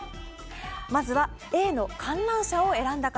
まずは、Ａの観覧車を選んだ方。